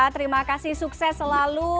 terima kasih sukses selalu